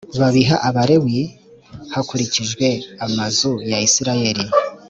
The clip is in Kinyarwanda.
babiha abalewi hakurikijwe amazu ya isirayeli